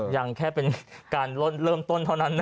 ยังแค่เป็นการเริ่มต้นเท่านั้น